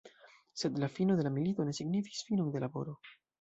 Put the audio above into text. Sed la fino de la milito ne signifis finon de laboro.